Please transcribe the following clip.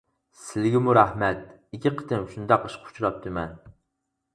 سىلىگىمۇ رەھمەت، ئىككى قېتىم شۇنداق ئىشقا ئۇچراپتىمەن.